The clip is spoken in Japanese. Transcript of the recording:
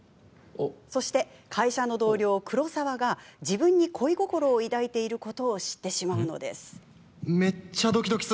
そして、会社の同僚黒沢が自分に恋心を抱いていることを知ってしまうのです。